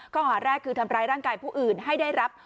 ข้อหาแรกคือทำร้ายร่างกายผู้อื่นให้ได้รับ